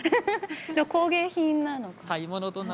工芸品なのかな？